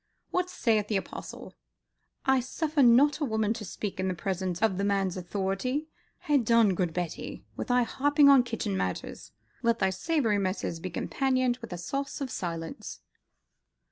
What saith the Apostle? I suffer not a woman to speak in presence of the man's authority. Ha' done, good Betty, with thy harping on kitchen matters, let thy savoury messes be companioned with a sauce of silence."